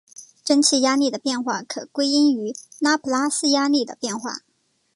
蒸气压力的变化可归因于拉普拉斯压力的变化。